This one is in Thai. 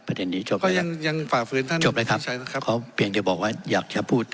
ประเด็นนี้จบเลยครับจบเลยครับเขาเพียงจะบอกว่าอยากจะพูด